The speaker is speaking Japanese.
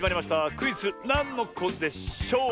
クイズ「なんのこでショー」。